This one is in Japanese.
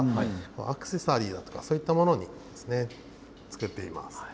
アクセサリーとかそういったものに使っています。